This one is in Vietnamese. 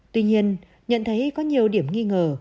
tuy nhiên nhận thấy có nhiều điểm nghi ngờ